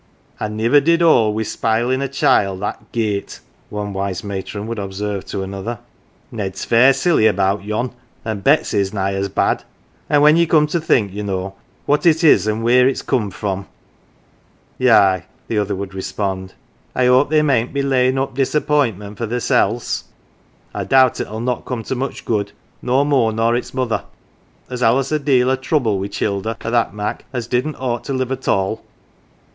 " I niver did hold wi" 1 sp'ilin' childer that gate," one wise matron would observe to another. " Ned's fair 36 GAFFER'S CHILD silly about yon, an" Betsy's nigh as bad. An 1 when ye come to think, ye know, what it is, an 1 wheer it's coined from." " Yigh," the other would respond, " I 'ope they mayn't be layin' up disappointment for theirsel's. I doubt it'll not come to much good no more nor its mother. There's allus a deal o' trouble wi' childer o' that mak' as didn't ought to live at all."